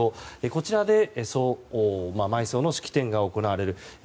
こちらで埋葬の式典が行われる。